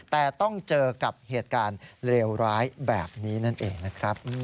แต่ต้องเจอกับเหตุการณ์เลวร้ายแบบนี้นั่นเองนะครับ